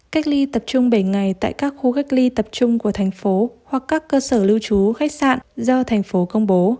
cách ly tập trung bảy ngày tại các khu cách ly tập trung của thành phố hoặc các cơ sở lưu trú khách sạn do thành phố công bố